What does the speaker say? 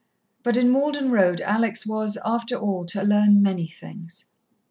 But in Malden Road Alex was, after all, to learn many things.